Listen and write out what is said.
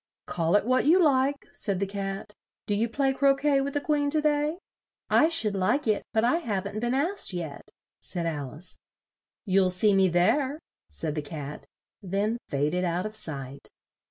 "Call it what you like," said the Cat. "Do you play cro quet with the Queen to day?" "I should like it, but I haven't been asked yet," said Al ice. "You'll see me there," said the Cat, then fa ded out of sight.